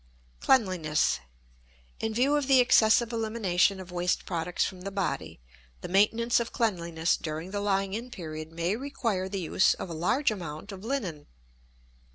Cleanliness. In view of the excessive elimination of waste products from the body, the maintenance of cleanliness during the lying in period may require the use of a large amount of linen.